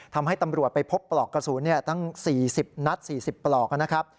ทำให้ตำรวจไปพบปลอกกระสุนตั้ง๔๐นัด๔๐ปลอกนะครับ